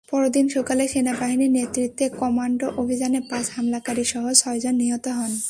পরদিন সকালে সেনাবাহিনীর নেতৃত্বে কমান্ডো অভিযানে পাঁচ হামলাকারীসহ ছয়জন নিহত হন।